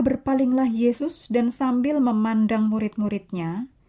berpalinglah yesus dan sambil memandang murid muridnya